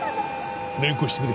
連行してくれ。